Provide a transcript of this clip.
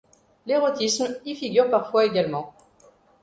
L'érotisme y figure parfois également.